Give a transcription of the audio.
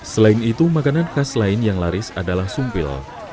selain itu makanan khas lain yang laris adalah sumpil